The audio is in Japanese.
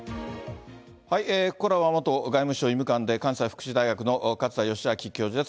ここからは元外務省医務官で、関西福祉大学の勝田吉彰教授です。